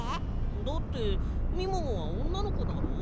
だってみももはおんなのこだろ。